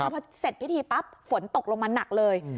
พอเสร็จพิธีปั๊บฝนตกลงมาหนักเลย